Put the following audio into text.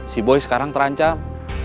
si boy sekarang terancam